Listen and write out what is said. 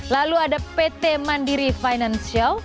lalu ada pt mandiri financial